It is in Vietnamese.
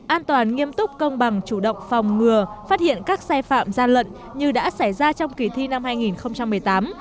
an toàn nghiêm túc công bằng chủ động phòng ngừa phát hiện các sai phạm gian lận như đã xảy ra trong kỳ thi năm hai nghìn một mươi tám